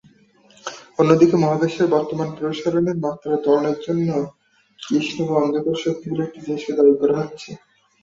অন্যদিকে মহাবিশ্বের বর্তমান প্রসারণের মাত্রার ত্বরণের জন্য কৃষ্ণ বা অন্ধকার শক্তি বলে একটি জিনিসকে দায়ী করা হচ্ছে।